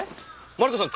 マリコさん